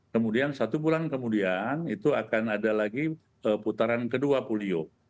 kemudian satu bulan kemudian itu akan ada lagi putaran kedua polio